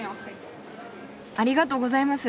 ありがとうございます。